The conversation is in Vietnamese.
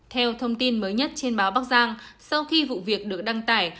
theo thông tin mới nhất trên báo bắc giang sau khi vụ việc được đăng tải